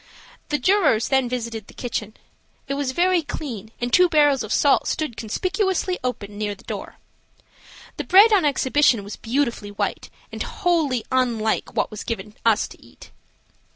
The jurors then visited the kitchen. It was very clean, and two barrels of salt stood conspicuously open near the door! The bread on exhibition was beautifully white and wholly unlike what was given us to eat.